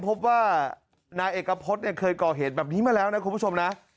พบว่านายเอกพฤษเคยก่อเหตุแบบนี้มาแล้วนะคุณผู้ชมนะ